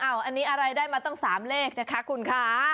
อันนี้อะไรได้มาตั้ง๓เลขนะคะคุณคะ